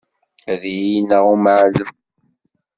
Ad iyi-ineɣ umɛellem.